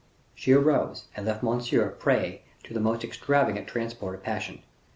She arose and left Monsieur a prey to the most extravagant transport of passion.